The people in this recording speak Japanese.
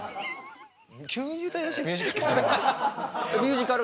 急に歌いだしてミュージカル。